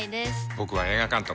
僕は映画監督。